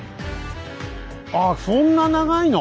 あっそんな長いの⁉